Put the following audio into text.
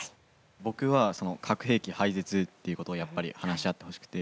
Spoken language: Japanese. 僕は核兵器廃絶ということをやっぱり話し合ってほしくて。